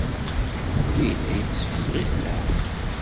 Yella yetteffeɣ-it leɛqel.